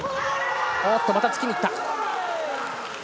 おっと、また突きにいった。